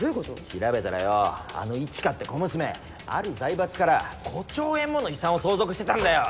調べたらよぉあの一華って小娘ある財閥から５兆円もの遺産を相続してたんだよ！